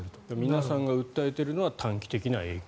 皆さんが訴えているのは短期的な影響。